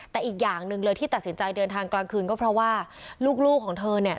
แต่อีกอย่างหนึ่งเลยที่ตัดสินใจเดินทางกลางคืนก็เพราะว่าลูกของเธอเนี่ย